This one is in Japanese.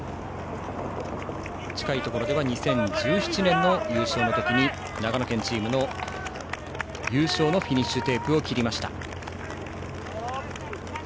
近いところでは２０１７年の優勝の時長野県チームの優勝のフィニッシュテープを切りました。